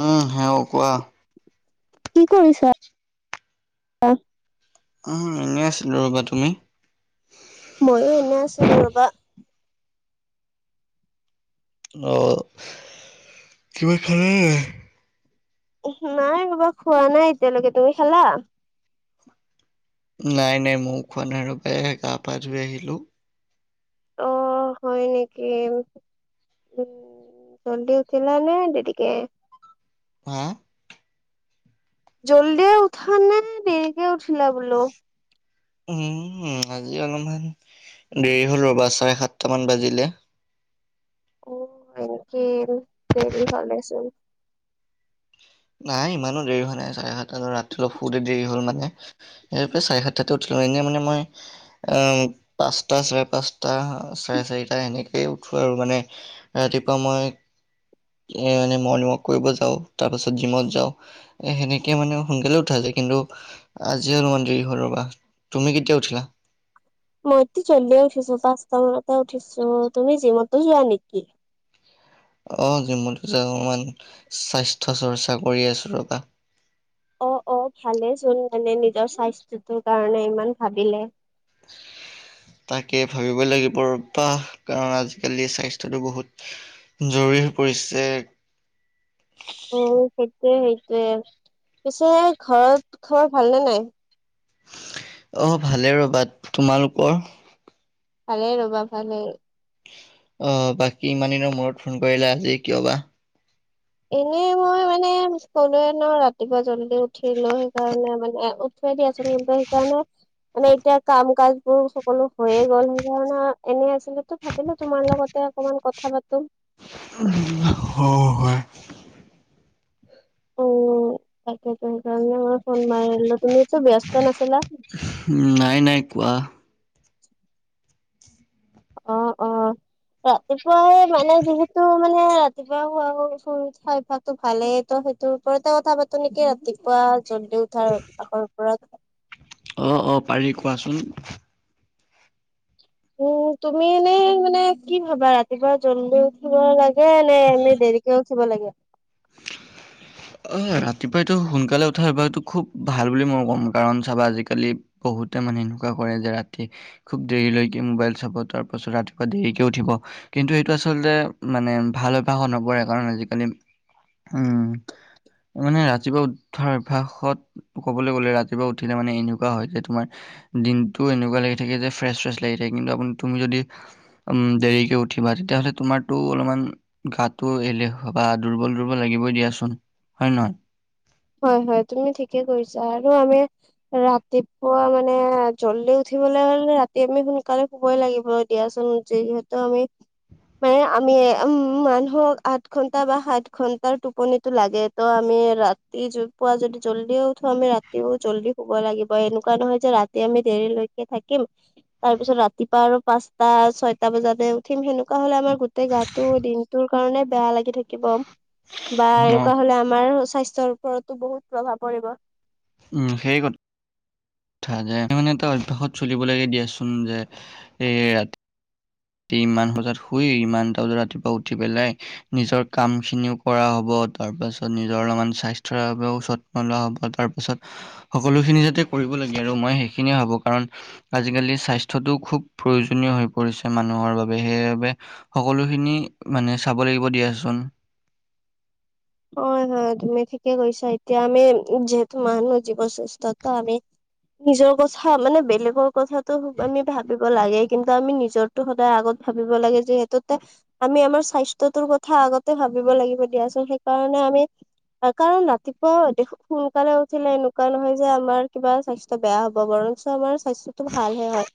উম, হেওঁ কোৱা। কি কৰিছা? উম, এনেই আছিলো ৰ'বা তুমি? ময়ো এনে আছিলো ৰ'বা। অ', কিবা খালা নে নাই? নাই ৰ'বা খোৱা নাই এতিয়ালৈকে, তুমি খালা? নাই নাই মইও খোৱা নাই ৰ'বা, এই গা পা ধুই আহিলো। অ', হয় নেকি? উম, জলদি উঠিলানে দেৰিকে? হা? জল্দিয়ে উঠানে নে দেৰিকে উঠিলা বোলো? উম, উম, আজি অলপমান দেৰি হ'ল ৰ'বা চাৰে সাতটা মান বাজিলে। [unintelligible] এনেকেই দেৰি হ'লেচোন। নাই ইমানো দেৰি হোৱা নাই। চাৰে সাত ধৰা ৰাতি অলপ শুতে দেৰি হ'ল মানে। [unintelligible] চাৰে সাতটাতে উঠিলো। এনেই মানে মই আহ পাঁচটা চাৰে পাঁচটা চাৰে চাৰিটা এনেকেই উঠো আৰু মানে ৰাতিপুৱা মই এ মানে মৰ্ণিং ৱাক কৰিব যাওঁ। তাৰ পাছত জিমত যাওঁ। এ সেনেকে মানে সোনকালে উঠা যায়। কিন্তু আজি অলপমান দেৰি হ'ল ৰ'বা, তুমি কেতিয়া উঠিলা? মইতো জল্দিয়ে উঠিছো পাঁচটা মানতে উঠিছো। তুমি জিমতো যোৱা নেকি? অ', জিমত যাওঁ অকমান স্বাস্থ্য চৰ্চা কৰি আছো ৰ'বা। অ', অ', ভালেচোন মানে নিজৰ স্বাস্থ্যটোৰ কাৰণে ইমান ভাবিলে। [inaudible] তাকে ভাবিব লাগিব ৰ'বা, কাৰণ আজিকালি স্বাস্থ্যটো বহুত জৰুৰী হৈ পৰিছে। অ', সেইটোয়ে সেইটোয়ে, পিছে ঘৰত খবৰ ভালনে নাই? অ', ভালে ৰ'বা, তোমালোকৰ? ভালে ৰ'বা ভালেই। অ', বাকী ইমান দিনৰ মূৰত ফোন কৰিলে আজি কিয় বা? এনেই মই মানে ক'লোৱে নহয় ৰাতিপুৱা জল্দি উঠিলো সেইকাৰণে মানে আৰু। [unintelligible] দিয়াচোন [unintelligible] সেইকাৰণে এনে এতিয়া কাম কাজবোৰ সকলো হৈয়ে গ'ল। [unintelligible] এনে আছিলোটো ভাবিলো তোমাৰ লগতে অকমান কথা পাতো। [unintelligible] হয়। উম, তাকে [unintelligible] কাৰণ মই ফোন মাৰিলো, তুমি ব্যস্ত নাছিলা? উম, নাই নাই কোৱা। অ', অ', ৰাতিপুৱাই মানে যিহেতু মানে ৰাতিপুৱা [unintelligible] ভালেই ত' সেইটোৰ ওপৰতে কথা পাতো নেকি ৰাতি পুৱা জলদি উঠাৰ অভ্যাসৰ ওপৰত। অ', অ', পাৰি কোৱাচোন। উম, তুমি এনেই মানে কি ভাবা ৰাতিপুৱা জলদি উঠিব লাগে নে, নে দেৰিকে উঠিব লাগে। [inaudible] অহ ৰাতিপুৱাইটো সোনকালে উঠাৰ অভ্যাসটো খুব ভাল বুলি মই কম। কাৰণ চাবা আজিকালি বহুতে মানে এনেকুৱা কৰে যে ৰাতি খুব দেৰিলৈকে মোবাইল চাব তাৰ পাছত ৰাতিপুৱা দেৰিকে উঠিব। কিন্তু সেইটো আচলতে মানে ভাল অভ্যাসত নপৰে কাৰণ আজিকালি, উম। মানে ৰাতিপুৱা উঠাৰ অভ্যাসত ক'বলৈ গ'লে ৰাতিপুৱা উঠিলে মানে এনেকুৱা হয় যে তোমাৰ দিনটো এনেকুৱা লাগি থাকে যে ফ্ৰেছ ফ্ৰেছ লাগি থাকে। কিন্তু আপুনি তুমি যদি উম, দেৰিকে উঠিবা তেতিয়া হ'লে তোমাৰতো অলপমান গাতটো এলেহুা বা দুৰ্বল দুৰ্বল লাগিবই দিয়াচোন হয় নে নহয়? হয়, হয়, তুমি ঠিকে কৈছা আৰু আমি ৰাতিপুৱা মানে জল্দি উঠিবলৈ হ'লে ৰাতি আমি সোনকালে শুবই লাগিব দিয়াচোন। যিহেতু আমি মানে আমিয়ে উম উম মানুহক আঠ ঘন্টা বা সাত ঘন্টাৰ টোপনি টো লাগে। ত' আমি ৰাত তি য'ত পোৱা যদি জল্দিয়ো উঠো আমি ৰাতিও জল্দি শুব লাগিব। এনেকুৱা নহয় যে ৰাতি আমি দেৰি লৈ কে থাকিম তাৰ পিছত ৰাতিপুৱা আৰু পাঁচটা ছয়টা বজাতে উঠিম। সেনেকুৱা হ'লে আমাৰ গোটেই গাটো দিন তোৰ কাৰণে বেয়া লাগি থাক থাকিব বা এনেকুৱা হ'লে আমাৰ স্বাস্থ্যৰ ওপৰতো বহুত প্ৰভাৱ পৰিব। উম, সেই কথা যে মানে এটা অভ্যাসত চলিব লাগে দিয়াচোন যে এই ৰাত তি ইমান বজাত শুই ইমানতা বজাত ৰাতিপুৱা উঠি পেলাই নিজৰ কামখিনিও কৰা হ'ব। তাৰ পাছত নিজৰ অলপমান স্বাস্থ্যৰ বাবেও লোৱা হ'ব তাৰ পাছত সকলোখিনি যাতে কৰিব লাগে আৰু মই সেইখিনিয়ে ভাবো কাৰণ আজিকালি স্বাস্থ্যটো খুব প্ৰয়োজনীয় হৈ পৰিছে। মানুহৰ বাবে সেইবাবে সকলোখিনি মানে চাব লাগিব দিয়াচোন। হয়, হয়, তুমি ঠিকে কৈছা। এতিয়া আমি যিহেতু মানুহে জীৱ শ্ৰেষ্ঠতো আমি নিজৰ কথা মানে বেলেগৰ কথাটো আমি ভাবিব লাগে। কিন্তু আমি নিজৰ টো সদায় আগত ভাবিব লাগে যে সেইটোতে আমি আমাৰ স্বাস্থ্যতোৰ কথা আগতে ভাবিব লাগিব দিয়াচোন। সেইকাৰণে আমি কাৰণ ৰাতিপুৱা দেখো সোনকালে উঠিলে এনেকুৱা নহয় যে আমাৰ কিবা স্বাস্থ্য বেয়া হ'ব বৰঞ্চ আমাৰ স্বাস্থ্যটো ভালহে হয়,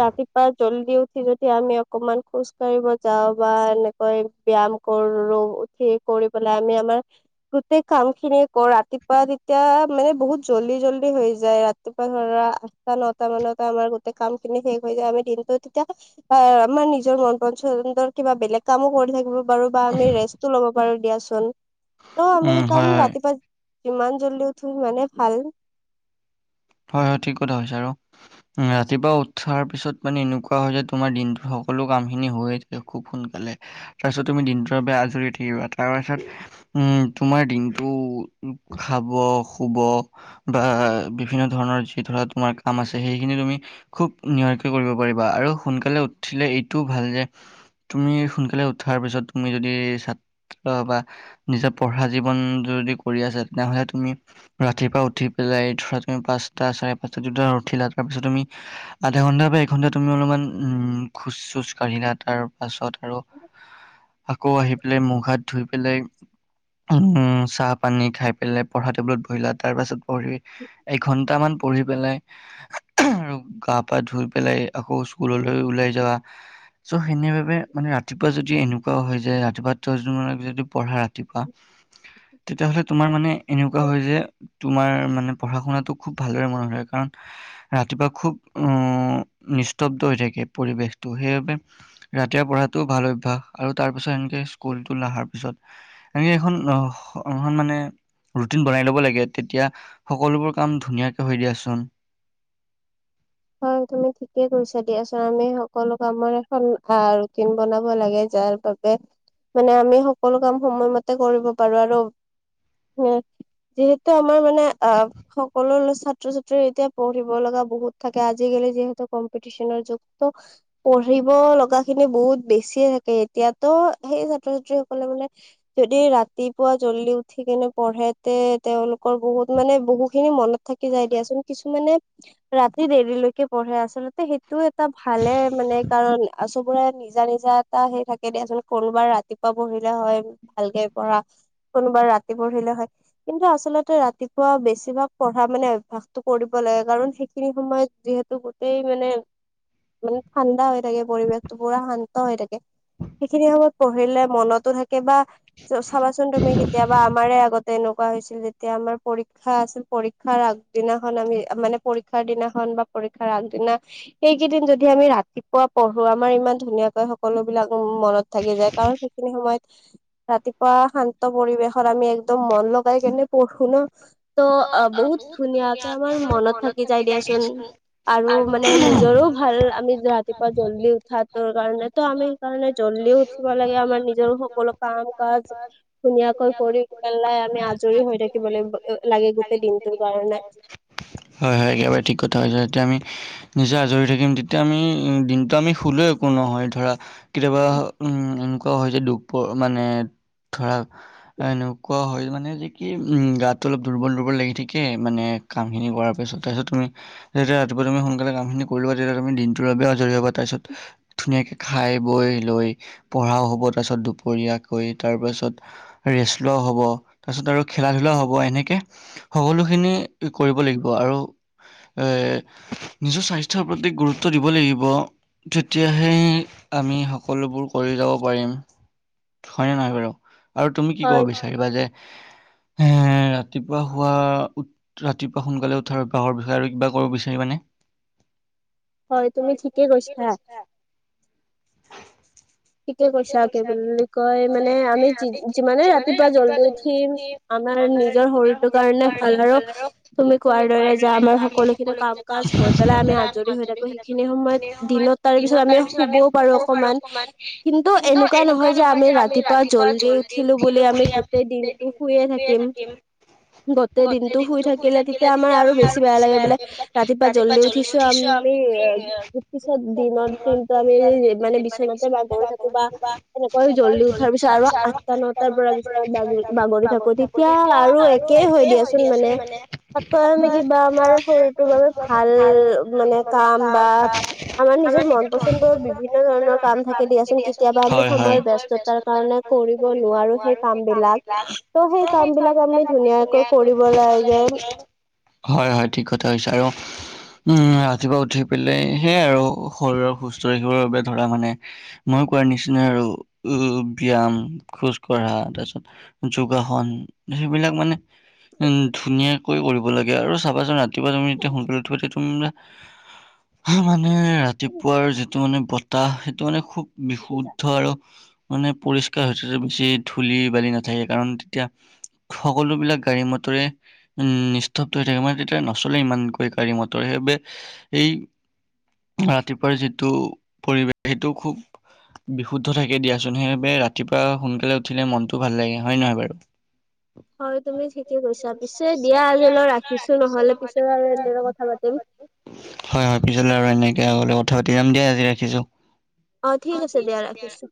ৰাতিপুৱা জল্দিও উঠ যদি আমি অকমান খোজ কঢ়িব যাওঁ বা এনেকৈ ব্যয়াম কৰোঁ উঠি কৰি আমি আমাৰ গোটেই কামখিনিয়ে কৰ, ৰাতিপুৱা তেতিয়া মানে বহুত জল্দি জল্দি হৈ যায়, ৰাতিপুৱা ধৰা ত' নটা মানতে আমাৰ গোটেই কামখিনি শেষ হৈ যায়, আমি দিনটো তেতিয়া অ' আমাৰ নিজৰ মন পছন্দৰ কিবা বেলেগ কামো কৰি থাকিব পাৰোঁ বা আমি ৰেষ্টটো ল'ব পাৰোঁ দিয়াচোন, ত' আমি সেইকাৰণে ৰাতিপুৱা কিমান জল্দি উঠো সিমানে ভাল। হয় হয়, ঠিক কথা হৈছে আৰু। ৰাতিপুৱা উঠাৰ পিছত মানে এনেকুৱা হয় যে তোমাৰ দিনটো সকলো কামখিনি হৈ খুব সোনকালে, তাৰপিছত তুমি দিনটোৰ বাবে আজৰি থাকিবা, তাৰপাছত উম, তোমাৰ দিনটো খাব, শুব বা বিভিন্ন ধৰণৰ যি ধৰা তোমাৰ কাম আছে সেইখিনি তুমি খুব নিয়ৰকৈ কৰিব পাৰিবা আৰু সোনকালে উঠিলে এইটোও ভাল যে তুমি সোনকালে উঠাৰ পিছত তুমি যদি ছাত্ৰ বা নিজৰ পঢ়া জীৱন যদি কৰি আছা তেনেহ'লে তুমি ৰাতিপুৱা উঠি পেলাই ধৰা পাঁচটা, চাৰে পাঁচটা ধৰা উঠিলা তাৰপিছত তুমি আধা ঘন্টাৰ বা এঘন্টা তুমি অলপমান উম, খোজ চোজ কাঢ়িলা তাৰপাছত আৰু [inaudible] আকৌ আহি পেলাই মুখ হাত ধুই পেলাই উম, চাহ পানী খাই পেলাই পঢ়া টেবুলত বহিলা, তাৰপাছত পঢ়ি এঘন্টামান পঢ়ি পেলাই আৰু গা পা ধুই পেলাই আকৌ স্কুললৈ ওলাই যাবা। চ' সেনে বাবে মানে ৰাতিপুৱা যদি এনেকুৱাও হৈ যায় ৰাতিপুৱা ত' ম যদি পঢ়া ৰাতিপুৱা [inaudible] তেতিয়াহ'লে তোমাৰ মানে এনেকুৱা হয় যে তোমাৰ মানে পঢ়া শুনাতটো খুব ভালদৰে মনত হয় কাৰণ ৰাতিপুৱা খুব উ, নিস্তব্ধ হৈ থাকে পৰিৱেশটো সেইবাবে ৰাতিপোৱা পঢ়াটো ভাল অভ্যাস আৰু তাৰপিছত এনেকে স্কুলতটো নাহাৰ পিছত আমি এখন অ' মানে ৰুটিন বনাই ল'ব লাগে তেতিয়া সকলোবোৰ কাম ধুনীয়াকৈ হৈ দিয়াচোন। হয় তুমি ঠিকে কৈছা দিয়াচোন, আমি সকলো কাম মনে এখন আ, ৰুটিন বনাব লাগে যাৰ তাতে মানে আমি সকলো কাম সময়মতে কৰিব পাৰোঁ আৰু যিহেতু আমাৰ মানে আ, সকলো ছাত্ৰ ছাত্ৰীৰ এতিয়া পঢ়িব লগা বহুত থাকে আজি গেলে যিহেতু কম্পিটিচনৰ যুক্ত পঢ়িব লগাখিনি বহুত বেছিয়ে থাকে, এতিয়াতো সেই ছাত্ৰ ছাত্ৰীসকলে মানে যদি ৰাতিপুৱা জল্দি উঠি কেনে পঢ়ে তে তেওঁলোকৰ বহুত মানে বহুখিনি মনত থাক কি যাই দিয়াচোন। কিছুমানানে ৰাতি দেৰিলৈকে পঢ়ে, আচলতে সেইটো এটা ভালে মানে কাৰণ চবৰে নিজা নিজা তা সেই থাকে দিয়াচোন, কোনোবা ৰাতিপুৱা পঢ়িলে হয় ভালকে পঢ়া। কোনোবা ৰাতি পঢ়িলে হয়। কিন্তু আচলতে ৰাতিপুৱা বেছিভাগ পঢ়া মানে অভ্যাসটো কৰিব লাগে কাৰণ সেইখিনি সময়ত যিহেতু গোটেই মানে মানে ঠাণ্ডা হৈ থাকে পৰিৱেশটো পুৰা শান্ত হৈ থাকে। সেইখিনি সময়ত পঢ়িলে মনতো থাকে বা চাবাচোন তুমি কেতিয়াবা আমাৰে আগতে এনেকুৱা হৈছিল, যেতিয়া আমাৰ পৰীক্ষা আছিল। পৰীক্ষাৰ আগদিনাখন আমি মানে পৰীক্ষাৰ দিনাখন বা পৰীক্ষাৰ আগদিনা এইকেইদিন যদি আমি ৰাতিপুৱা পঢ়ো আমাৰ ইমান ধুনীয়াকৈ সকলোবিলাক মনত থাকি যায় কাৰণ সেইখিনি সসময়ত ৰাতিপুৱা শান্ত পৰিৱেশত আমি একদম মন লগাই কেনে পঢ়ো ন'। তো বহুত ধুনীয়াকে আমাৰ মনত থাকে। দিয়াচোন আৰু মানে নিজৰো ভাল। আমি ৰাতিপুৱা জল্দি উঠাটো কাৰণে টো আমি সেই কাৰণে জলদিও উঠিব লাগে। আমাৰ নিজৰ সকলো কাম কাজ ধুনীয়াকৈ কৰি সেই কাৰণে আমি আজৰি হৈ থাকিব লাগিব। হয়, হয়, একেবাৰে ঠিক কথা হৈছে। এতিয়া আমি নিজে আজৰি থাকিম, তেতিয়া আমি দিনটো আমি শুলো একো নহয় ধৰা। কেতিয়াবা উম, এনেকুৱা হয় যে দুপ মানে ধৰা এনেকুৱা হয় মানে যে কি উম, গাতটো অলপ দুৰ্বল, দুৰ্বল লাগি থাকে মানে কামখিনি কৰাৰ পিছত তাৰপিছত তুমি যেতিয়া ৰাতিপুৱা তুমি সোনকালে কাম খিনি কৰি ল'বা, তেতিয়া তুমি দিনটোৰ বাবে আজৰি হ'বা। তাৰপিছত, ধুনীয়াকে খাই বৈ লৈ পঢ়াও হ'ব, তাৰপিছত দুপৰীয়াকৈ তাৰ পাছত ৰেচলোৱা হ'ব। তাৰপিছত আৰু খেলা ধূলাও হ'ব এনেক সকলো খিনি কৰিব লাগিব আৰু এ নিজৰ স্বাস্থ্যৰ প্ৰতি গুৰুত্ব দিব লাগিব। তেতিয়াহে, আমি সকলোবোৰ কৰি যাব পাৰিম। হয়নে নহয় বাৰু? আৰু তুমি কি ক'ব বিচাৰিবা যে এ ৰাতিপুৱা শুৱা উ ৰাতিপুৱা সোনকালে উঠাৰ অভ্যাসৰ বিষয়ে আৰু কিবা কৰিব বিচাৰিবা নে? হয়, তুমি ঠিকেই কৈছা। ঠিকে কৈছা, কি বুলি কয় মানে আমি যিমানে ৰাতিপুৱা জল্দি উঠিম আমাৰ নিজৰ শৰীৰটোৰ কাৰণে ভাল আৰু তুমি কোৱাৰ দৰে যাৰ আমাৰ সকলোখিনি কাম কাজ হৈ পেলাই আমি আজৰি হৈ থাকো, সেইখিনি সময়ত দিনত তাৰ পিছত আমি শুৱও পাৰোঁ অকমান। কিন্তু এনেকুৱা নহয় যে আমি ৰাতিপুৱা জলদি উঠিলোঁ বুলি, আমি গোটেই দিনটোত শুইয়েই থাকিম। থাকিম। গোতেই দিনতটো শুই থাকিলে তেতিয়া আমাৰ আৰু বেছি বেয়া লাগে বিলাক ৰাতিপুৱা জলদি উঠিছোঁ আমি [unintelligible] বা তেনেকৈ জল্দি উঠাৰ পিছত আৰু আঠটা, নটাৰ পৰা বিচনাত বাগৰি বাগৰি থাকো। তে তিয়া আৰু একেই হয় দিয়াচোন মানে তাতকৈ আমি কিবা আমাৰ শৰীৰৰ বাবে ভাল মানে কাম বা আমাৰ নিজৰ মন পচন্দৰ বিভিন্ন ধৰণৰ কাম। থাকে দিয়াচোন, কেতিয়াবা আমি সময়ৰ ব্যস্ততাৰ কাৰণে কৰিব নোৱাৰোঁ, সেই কাম বিলাক টো, সেই কাম বিলাক আমি ধুনীয়াকৈ কৰিব লাগে। হয়, হয়, ঠিক কথা হৈছে আৰু উম, ৰাতিপুৱা উঠি পেলাই সেয়াই আৰু শৰীৰৰ সুস্থ ৰাখিবৰ বাবে ধৰা মানে মই কোৱাৰ নিচিনা আৰু ও ব্যয়ায়াম, খোজ কঢ়া, তাৰপিছত যোগাসন সেইবিলাক মানে উম, ধুনীয়াকৈ কৰিব লাগে আৰু চাবা চোন ৰাতিপুৱা তুমি যেতিয়া সোনকালে উঠিব [unintelligible] হা মানে ৰাতিপুৱাৰ যিটো মানে বতাহ, সেইটো মানে খুব বিশুদ্ধ আৰু মানে পৰিষ্কাৰ হৈছে, বেছি ধূলি বালি নাথাকে কাৰণ তেতিয়া। সকলো বিলাক গাড়ী মটৰে। উম, নিস্তব্ধ হৈ থাকে মানে তেতিয়া নচলে ইমানকৈ গাড়ী মটৰ সেইবাবে এই ৰাতিপুৱাৰ যিটো পৰিৱেশ সেইটো খুব। বিশুদ্ধ থাকে দিয়াচোন, সেইবাবে ৰাতিপুৱা সোনকালে উঠিলে মনতটো ভাল লাগে হয় নে নহয় বাৰু। হয় তুমি ঠিকে কৈছা, পিছে দিয়া আজি লও ৰাখিছোঁ নহ'লে পিছত আৰু এনেদৰে কথা পাতিম। হয়, হয়, পিছলে আৰু এনেকে আগলৈ কথা পাতি যাম দিয় আজি ৰাখিছোঁ। অ' ঠিক আছে দিয়া ৰাখিছোঁ।